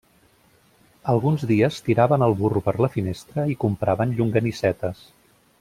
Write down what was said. Alguns dies tiraven el burro per la finestra i compraven llonganissetes.